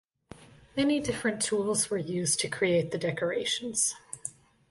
Many different tools were used to create the decorations.